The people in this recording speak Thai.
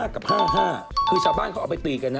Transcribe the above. คือชาวบ้านเขาเอาไปตรีกันนะ